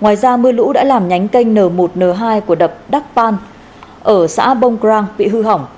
ngoài ra mưa lũ đã làm nhánh cây n một n hai của đập đắk pan ở xã bông crang bị hư hỏng